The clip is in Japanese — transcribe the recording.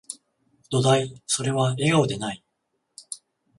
どだい、それは、笑顔でない